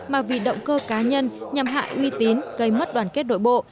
mà vì động cơ cá nhân nhằm hại uy tín gây mất đoàn kết đội bộ